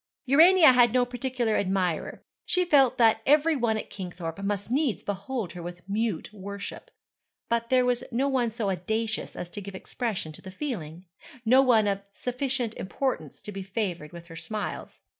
Urania had no particular admirer. She felt that every one at Kingthorpe must needs behold her with mute worship; but there was no one so audacious as to give expression to the feeling; no one of sufficient importance to be favoured with her smiles.